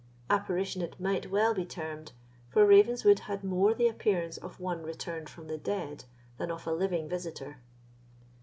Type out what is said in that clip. Apparition it might well be termed, for Ravenswood had more the appearance of one returned from the dead than of a living visitor.